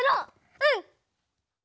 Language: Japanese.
うん！